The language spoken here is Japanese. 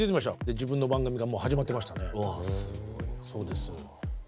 自分の番組がもう始まってましたね。